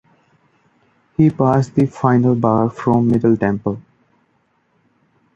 He passed the final Bar from Middle Temple.